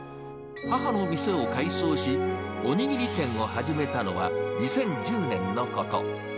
母の店を改装し、おにぎり店を始めたのは、２０１０年のこと。